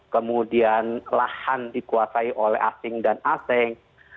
kemudian lahan dikuasai oleh asing dan asing